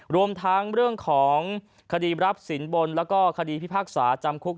รวมทั้งเรื่องของคดีรับสินบนแล้วก็คดีพิพากษาจำคุก